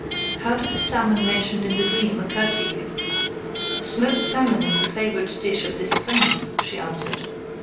"How did the salmon mentioned in the dream occur to you?" "Smoked salmon is the favorite dish of this friend," she answered.